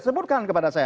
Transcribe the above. sebutkan kepada saya